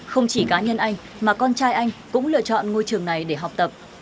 không chỉ cá nhân anh mà con trai anh cũng lựa chọn ngôi trường này để học tập